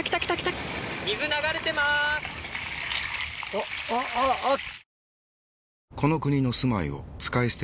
あっあっあっあっ。